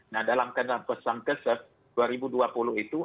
nah dalam pesan kesep dua ribu dua puluh itu